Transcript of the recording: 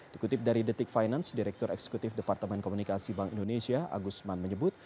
dikutip dari detik finance direktur eksekutif departemen komunikasi bank indonesia agusman menyebut